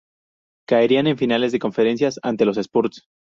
Caerían en finales de conferencia ante los Spurs.